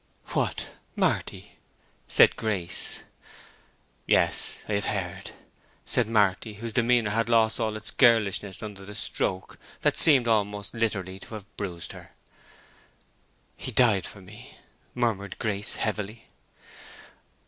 "What—Marty!" said Grace. "Yes. I have heard," said Marty, whose demeanor had lost all its girlishness under the stroke that seemed almost literally to have bruised her. "He died for me!" murmured Grace, heavily.